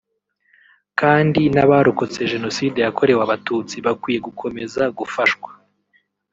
kandi n’abarokotse Jenoside yakorewe Abatutsi bakwiye gukomeza gufashwa